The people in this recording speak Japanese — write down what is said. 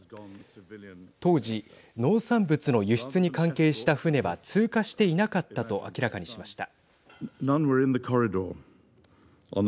当時、農産物の輸出に関係した船は通過していなかったと明らかにしました。